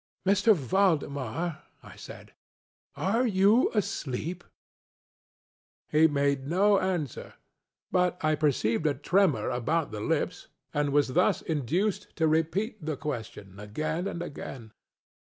ŌĆ£M. Valdemar, ŌĆØ I said, ŌĆ£are you asleep? ŌĆØ He made no answer, but I perceived a tremor about the lips, and was thus induced to repeat the question, again and again.